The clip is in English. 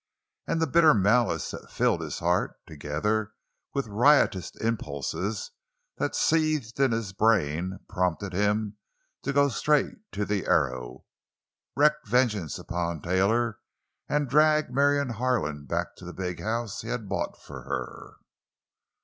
And the bitter malice that filled his heart, together with riotous impulses that seethed in his brain prompted him to go straight to the Arrow, wreak vengeance upon Taylor and drag Marion Harlan back to the big house he had bought for her.